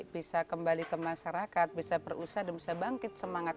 bisa kembali ke masyarakat bisa berusaha dan bisa bangkit semangat